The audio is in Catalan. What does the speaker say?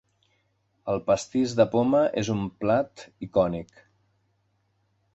El pastís de poma és un plat icònic.